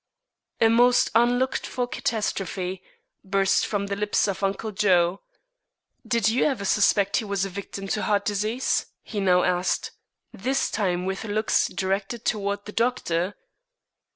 "A most unlooked for catastrophe," burst from the lips of Uncle Joe. "Did you ever suspect he was a victim to heart disease?" he now asked, this time with looks directed toward the doctor.